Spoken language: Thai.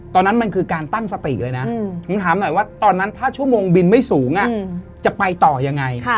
ตอนนั้นถ้าชั่วโมงบินไม่สูงจะไปต่อยังไง